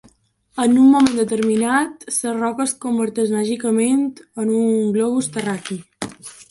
En un moment determinat, la roca es converteix màgicament en un globus terraqüi.